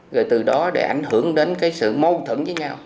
rồi từ đó để ảnh hưởng đến sự mô thẩn với nhau